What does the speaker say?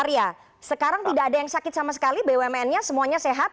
iya sekarang tidak ada yang sakit sama sekali bumn nya semuanya sehat